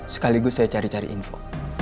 sekaligus saya cari cari info